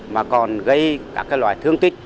mà còn gây các loại thương tích